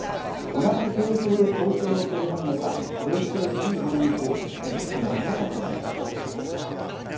同じ方法で統計を取り始めた平成１５年以降最も高くなりました。